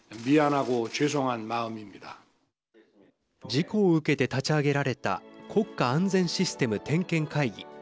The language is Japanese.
事故を受けて立ち上げられた国家安全システム点検会議。